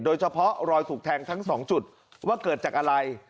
โดยเฉพาะรอยถูกแทงทั้ง๒จุดว่าเกิดจากอะไร